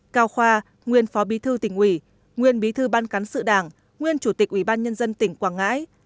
cao khoa nguyên phó bí thư tỉnh ủy nguyên bí thư ban cán sự đảng nguyên chủ tịch ủy ban nhân dân tỉnh quảng ngãi